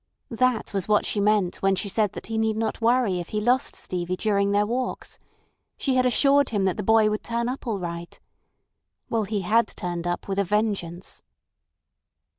That was what she meant when she said that he need not worry if he lost Stevie during their walks. She had assured him that the boy would turn up all right. Well, he had turned up with a vengeance!